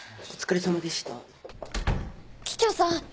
桔梗さん。